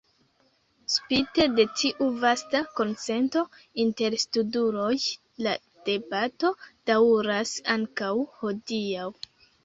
Spite de tiu vasta konsento inter studuloj, la debato daŭras ankaŭ hodiaŭ.